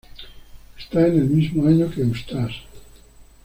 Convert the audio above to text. Está en el mismo año que Eustace.